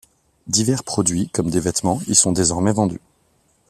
Divers produits, comme des vêtements, y sont désormais vendus.